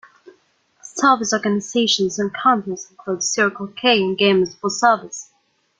Service organizations on campus include Circle K and Gamers for Service.